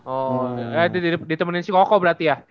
oh ditemenin si koko berarti ya